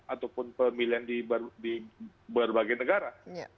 ataupun pemilihan di berbagai negara